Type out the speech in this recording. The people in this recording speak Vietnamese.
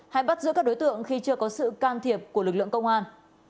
hay bắt giữ các đối tượng khi chưa có sự can thiệp của lực lượng công an